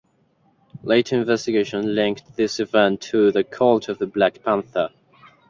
Later investigations linked this event to the Cult of the Black Panther.